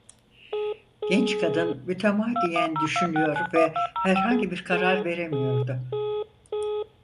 Genç kadın mütemadiyen düşünüyor ve herhangi bir karar veremiyordu.